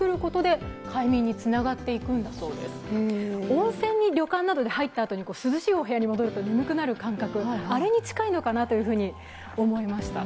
温泉に旅館などで入ったあとで涼しいお部屋に戻ったときに眠くなる感覚に近いのかなというふうに思いました。